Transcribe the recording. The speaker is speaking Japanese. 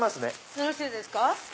よろしいですか。